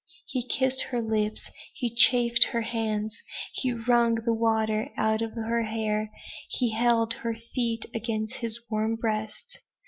He kissed her lips he chafed her hands he wrung the water out of her hair he held her feet against his warm breast.